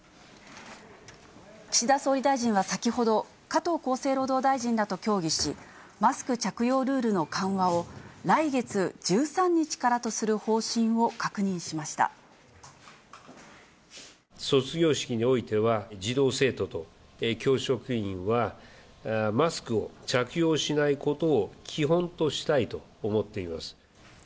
岸田総理大臣は先ほど、加藤厚生労働大臣らと協議し、マスク着用ルールの緩和を、来月１３日からとする方針を確認卒業式においては、児童・生徒と教職員は、マスクを着用しないことを基本としたいと思っています。